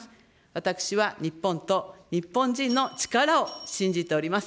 私は日本と日本人の力を信じております。